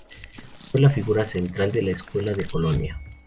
Fue la figura central de la "Escuela de Colonia".